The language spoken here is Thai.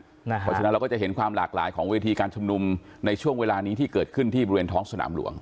เพราะฉะนั้นเราก็จะเห็นความหลากหลายของเวทีการชุมนุมในช่วงเวลานี้ที่เกิดขึ้นที่บริเวณท้องสนามหลวง